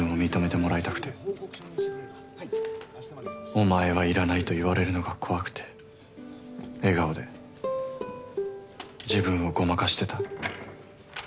お前はいらないと言われるのが怖くて笑顔で自分をごまかしてた。